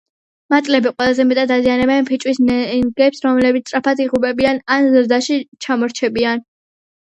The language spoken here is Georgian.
მატლები ყველაზე მეტად აზიანებენ ფიჭვის ნერგებს, რომლებიც სწრაფად იღუპებიან ან ზრდაში ჩამორჩებიან.